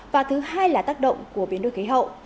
và thứ hai là tác động của biến đổi khí hậu